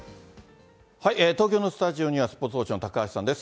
東京のスタジオには、スポーツ報知の高橋さんです。